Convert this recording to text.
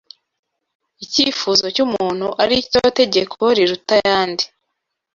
icyifuzo cy’umuntu ari cyo tegeko riruta ayandi